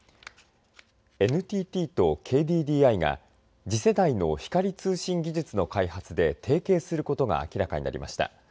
ＮＴＴとＫＤＤＩが次世代の光通信技術の開発で提携することが明らかになりました。